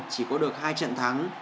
chỉ có được hai trận thắng